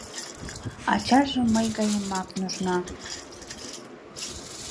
Ачаже мый гаемак нужна.